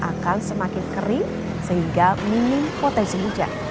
akan semakin kering sehingga minim potensi hujan